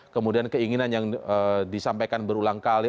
kemudian keinginan yang disampaikan berulang kali